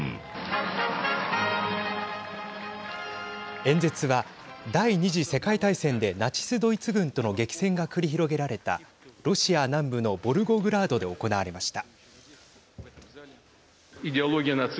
演説は第２次世界大戦でナチス・ドイツ軍との激戦が繰り広げられたロシア南部のボルゴグラードで行われました。